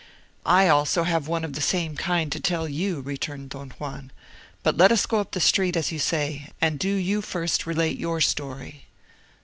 "I also have one of the same kind to tell you," returned Don Juan, "but let us go up the street as you say, and do you first relate your story."